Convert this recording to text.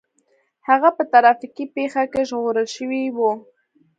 هغه په ټرافيکي پېښه کې ژغورل شوی و